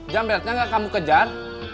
jamretnya gak kamu kejar